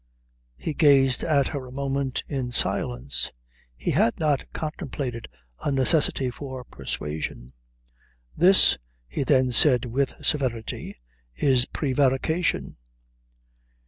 He gazed at her a moment in silence. He had not contemplated a necessity for persuasion. "This," he then said with severity, "is prevarication."